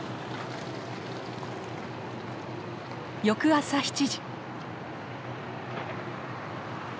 翌朝７時。